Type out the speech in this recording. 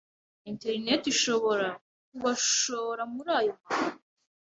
internet ishobora kubashora muri ayo mahano